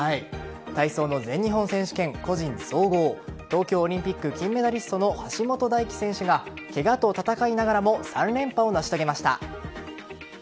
体操の全日本選手権個人総合東京オリンピック金メダリストの橋本大輝選手がケガと闘いながらも３連覇を成し遂げました。